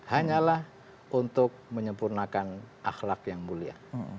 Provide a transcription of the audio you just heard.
hanyalah untuk menyempurnakan akhlak yang mulia